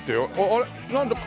あれ？